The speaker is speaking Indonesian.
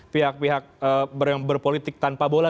pihak pihak yang berpolitik tanpa bola